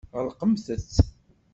Ɣelqemt-t.